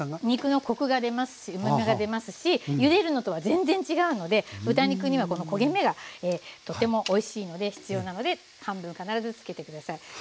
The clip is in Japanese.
肉のコクが出ますしうまみが出ますしゆでるのとは全然違うので豚肉にはこの焦げ目がとてもおいしいので必要なので半分必ず付けて下さい。